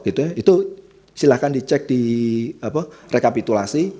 itu silahkan dicek di rekapitulasi